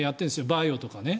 バイオとかね。